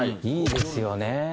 いいですよね。